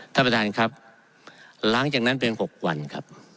ท่านประธานครับหลังจากนั้นเป็น๖วันครับ